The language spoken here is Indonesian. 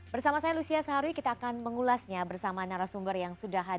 bersama saya lucia sahari kita akan mengulasnya bersama narasumber yang sudah hadir